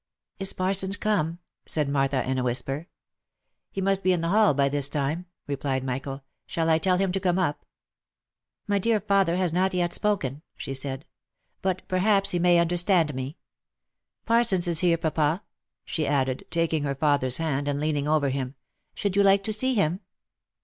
" Is Parsons come?" said Martha in a whisper. " He must be in the hall by this time," replied Michael :" shall I tell him to come up V " My dear father has not yet spoken," she said ;" but, perhaps, he may understand me. — Parsons is here, papa," she added, taking her father's hand, and leaning over him —" should you like to see him